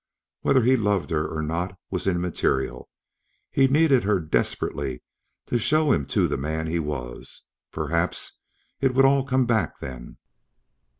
Whether he loved her or not was immaterial; he needed her desperately to show him to the man he was. Perhaps it would all come back then.